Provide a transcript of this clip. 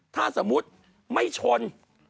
ถ้าสมมุติไม่ชน